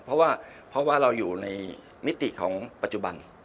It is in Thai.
เพราะว่าเราอยู่ในมิติของปัจจุบัน